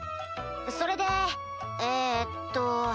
それでえっと